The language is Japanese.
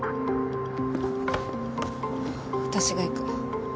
私が行く。